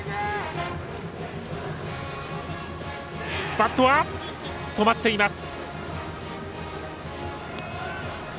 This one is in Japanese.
バットは止まっています。